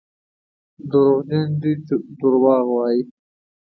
دروغجن دي دروغ وايي.